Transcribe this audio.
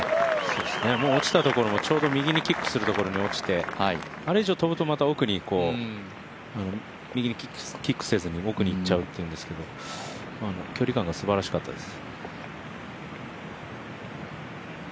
落ちたところも右にキックしているところに落ちてあれ以上飛ぶとまた奥に右にキックせずに奥にいっちゃうっていうんですけど、距離感がすばらしかったです。